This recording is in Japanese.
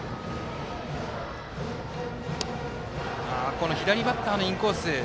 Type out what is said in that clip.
この左バッターのインコース。